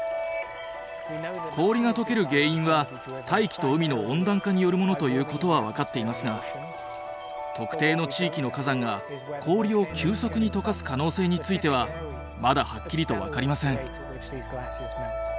氷が解ける原因は大気と海の温暖化によるものということは分かっていますが特定の地域の火山が氷を急速に解かす可能性についてはまだはっきりと分かりません。